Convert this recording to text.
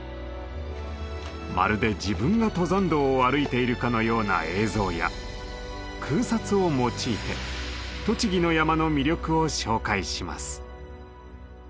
まるで自分が登山道を歩いているかのような映像や空撮を用いて栃木の山の魅力を紹介します。